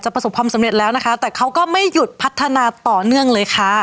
ประสบความสำเร็จแล้วนะคะแต่เขาก็ไม่หยุดพัฒนาต่อเนื่องเลยค่ะ